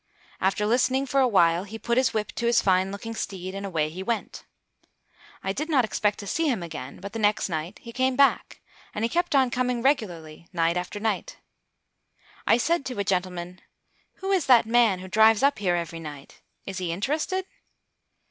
After listening for a while he put his whip to his fine looking steed, and away he went. I did not expect to see him again, but the next night he came back; and he kept on coming regularly night after night. I said to a gentleman: "Who is that man who drives up here every night? Is he interested?"